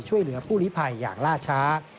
ช่วยเหลือผู้ลิภัยอย่างล่าช้า